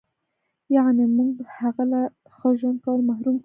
یعنې موږ هغه له ښه ژوند کولو محروم کړو.